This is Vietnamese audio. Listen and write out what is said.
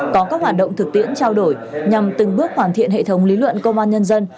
có các hoạt động thực tiễn trao đổi nhằm từng bước hoàn thiện hệ thống lý luận công an nhân dân